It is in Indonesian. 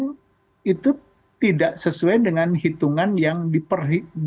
kalau boleh kita akui memang pada tahap awal ketika terjadi defisit misalnya mismatch itu memang layanan yang diperhitungkan